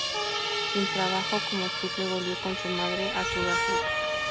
Sin trabajo como tiple, volvió con su madre a Sudáfrica.